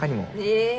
え！